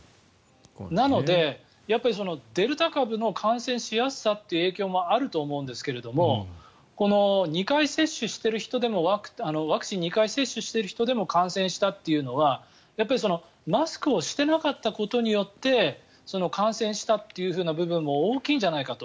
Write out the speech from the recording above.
なので、やっぱりデルタ株の感染しやすさという影響もあると思うんですけれどもワクチンを２回接種している人でも感染したというのはやっぱりマスクをしてなかったことによって感染したという部分も大きいんじゃないかと。